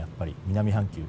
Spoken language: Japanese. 南半球。